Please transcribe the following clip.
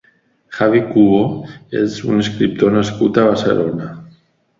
Javi Cuho és un escriptor nascut a Barcelona.